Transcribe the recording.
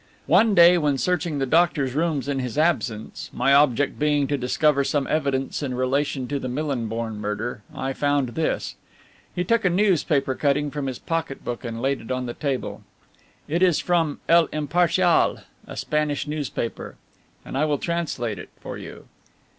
"One day when searching the doctor's rooms in his absence, my object being to discover some evidence in relation to the Millinborn murder, I found this." He took a newspaper cutting from his pocket book and laid it on the table. "It is from El Impartial, a Spanish newspaper, and I will translate it for you.